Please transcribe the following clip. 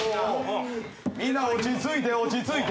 みんな落ち着いて落ち着いて。